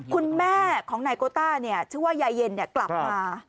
คุณแม่ของนายโกต้าชื่อว่ายายเย็นกลับมา